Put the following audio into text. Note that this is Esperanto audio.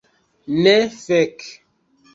Ne, fek.